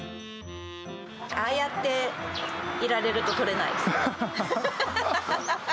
ああやっていられると、取れないですね。